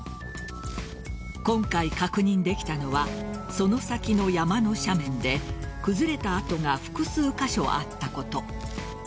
今回、確認できたのはその先の山の斜面で崩れた跡が複数カ所あったこと。